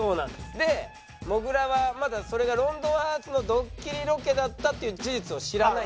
でもぐらはまだそれが『ロンドンハーツ』のドッキリロケだったという事実を知らないんですよ。